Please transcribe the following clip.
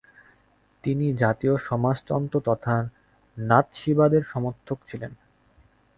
তিনি জাতীয় সমাজতন্ত্র তথা নাৎসিবাদের সমর্থক ছিলেন।